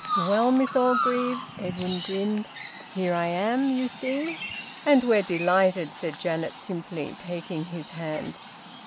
"Well, Miss Orgreave," Edwin grinned. "Here I am, you see!" "And we're delighted," said Janet simply, taking his hand.